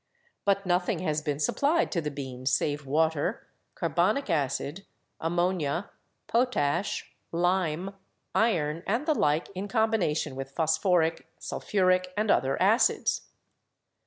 But nothing has been supplied to the bean save water, carbonic acid, ammonia, potash, lime, iron and the like in combination with phos phoric, sulphuric and other acids.